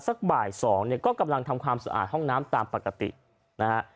สักบ่ายสองเนี่ยก็กำลังทำความสะอาดห้องน้ำตามปกตินะฮะ